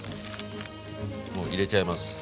もう入れちゃいます。